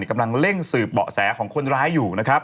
กำลังเร่งสืบเบาะแสของคนร้ายอยู่นะครับ